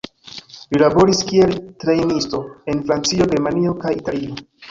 Li laboris kiel trejnisto en Francio, Germanio kaj Italio.